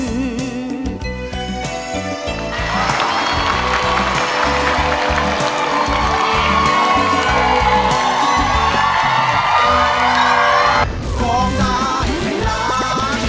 สู้อดสู้ทนรักจนปานนี้